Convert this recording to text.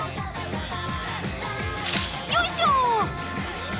よいしょ！